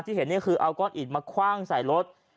เห็นนี่คือเอาก้อนอิดมาคว่างใส่รถ